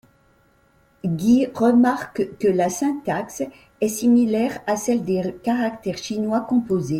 Guy remarque que la syntaxe est similaire à celle des caractères chinois composés.